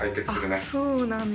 あそうなんだ。